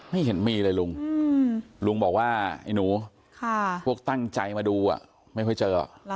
ไม่เห็นมีเลยลุงลุงบอกว่าไอ้หนูพวกตั้งใจมาดูไม่ค่อยเจอ